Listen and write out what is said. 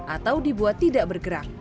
atau dibuat tidak bergerak